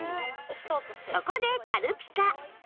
そこで軽ピカ